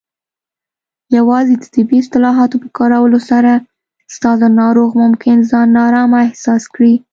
یوازې د طبي اصطلاحاتو په کارولو سره، ستاسو ناروغ ممکن ځان نارامه احساس کړي.